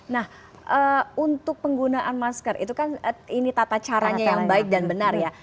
nah untuk penggunaan masker itu kan ini tata caranya yang baik dan benar ya